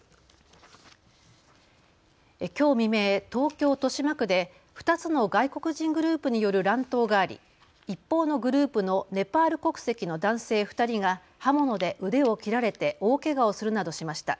きょう未明、東京豊島区で２つの外国人グループによる乱闘があり一方のグループのネパール国籍の男性２人が刃物で腕を切られて大けがをするなどしました。